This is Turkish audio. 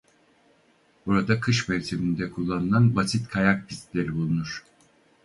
Burada kış mevsiminde kullanılan basit kayak pistleri bulunur.